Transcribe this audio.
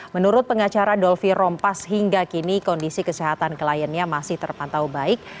menurut pengacara dolvi rompas hingga kini kondisi kesehatan kliennya masih terpantau baik